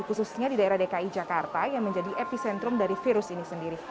khususnya di daerah dki jakarta yang menjadi epicentrum dari virus ini sendiri